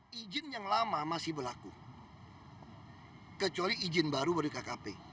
izin yang lama masih berlaku kecuali izin baru dari kkp